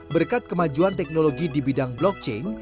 berkat kemajuan teknologi di bidang blockchain